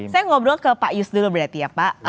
saya ngobrol ke pak yus dulu berarti ya pak